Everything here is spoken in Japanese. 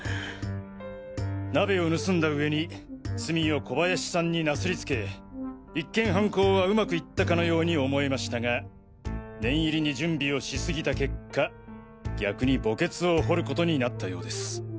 鍋を盗んだうえに罪を小林さんに擦り付け一見犯行はうまくいったかのように思えましたが念入りに準備をしすぎた結果逆に墓穴を掘ることになったようです。